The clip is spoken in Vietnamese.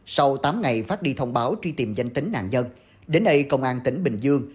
sau tám ngày phát đi thông báo truy tìm danh tính nạn nhân đến nay công an tỉnh bình dương